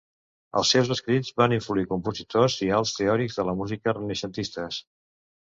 Els seus escrits van influir compositors i altres teòrics de la música renaixentistes.